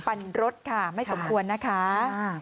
ปั่นรถค่ะไม่สมควรนะคะ